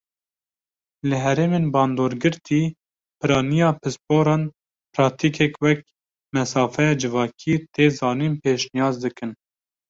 Li herêmên bandorgirtî, piraniya pisporan pratîkek wek mesafeya civakî tê zanîn pêşniyaz dikin.